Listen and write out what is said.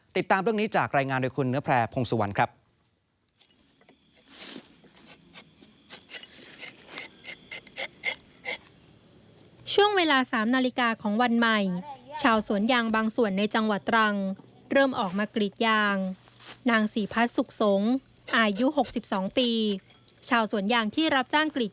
ติดตามเรื่องนี้จากรายงานโดยคุณเนื้อแพร่พงศวรรค์ครับ